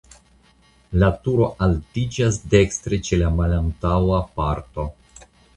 La turo altiĝas dekstre ĉe la malantaŭa parto.